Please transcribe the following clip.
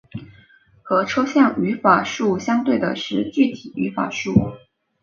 和抽象语法树相对的是具体语法树。